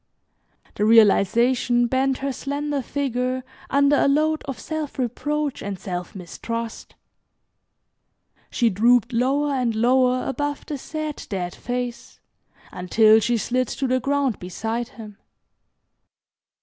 The realization bent her slender figure under a load of self reproach and self mistrust. She drooped lower and lower above the sad, dead face until she slid to the ground beside him.